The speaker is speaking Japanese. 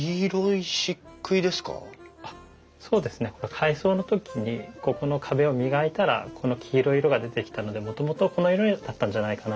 改装の時にここの壁を磨いたらこの黄色い色が出てきたのでもともとこの色だったんじゃないかな。